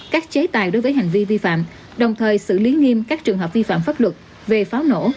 các chế tài đối với hành vi vi phạm đồng thời xử lý nghiêm các trường hợp vi phạm pháp luật về pháo nổ